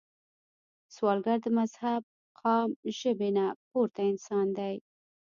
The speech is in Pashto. سوالګر د مذهب، قام، ژبې نه پورته انسان دی